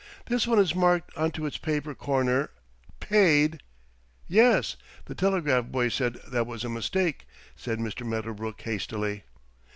This one is marked onto its upper corner 'PAID' " "Yes, the telegraph boy said that was a mistake," said Mr. Medderbrook hastily.